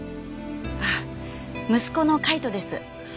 あっ息子の海斗です。